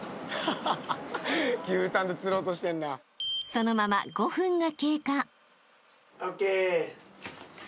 ［そのまま５分が経過］